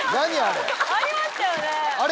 ありましたよね。